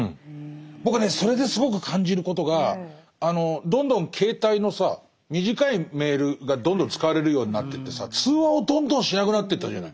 僕はねそれですごく感じることがどんどん携帯のさ短いメールがどんどん使われるようになってってさ通話をどんどんしなくなってったじゃない。